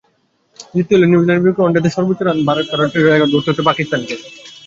জিততে হলে নিউজিল্যান্ডের বিপক্ষে ওয়ানডেতে সর্বোচ্চ রান তাড়ার রেকর্ড গড়তে হতো পাকিস্তানকে।